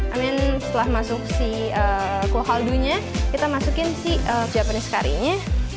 i mean setelah masuk si kuah kaldu nya kita masukin si japanese curry nya